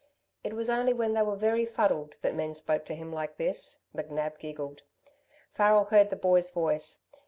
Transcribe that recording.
It was only when they were very fuddled that men spoke to him like this. McNab giggled. Farrel heard the boy's voice.